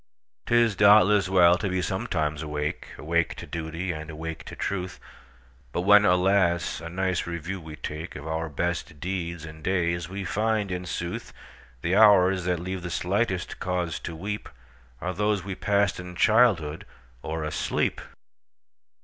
'T is, doubtless, well to be sometimes awake,—Awake to duty, and awake to truth,—But when, alas! a nice review we takeOf our best deeds and days, we find, in sooth, The hours that leave the slightest cause to weepAre those we passed in childhood or asleep!